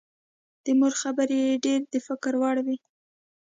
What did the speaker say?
د مور خبرې یې ډېرې د فکر وړ وې